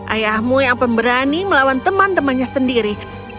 ayahmu yang pemberani melawan teman temannya sendiri